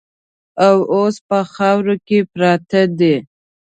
او اوس په خاورو کې پراته دي.